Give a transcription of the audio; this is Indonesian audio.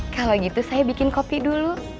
kalau gitu saya bikin kopi dulu